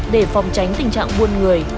để phòng tránh tình trạng buồn người